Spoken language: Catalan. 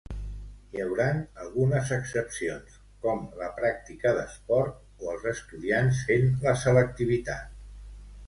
Hi hauran algunes excepcions, com la pràctica d'esport o els estudiants fent la selectivitat.